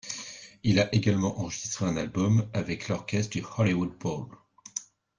Il a également enregistré un album avec l'Orchestre du Hollywood Bowl.